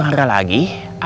cipta apaholes aja ya